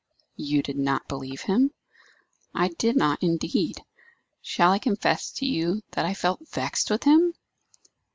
"You did not believe him?" "I did not, indeed. Shall I confess to you that I felt vexed with him?